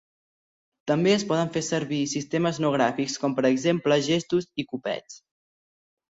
També es poden fer servir sistemes no gràfics com per exemple gestos i copets.